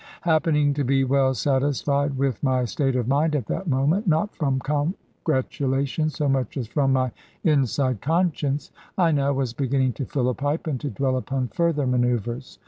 Happening to be well satisfied with my state of mind at that moment (not from congratulation, so much as from my inside conscience), I now was beginning to fill a pipe, and to dwell upon further manœuvres.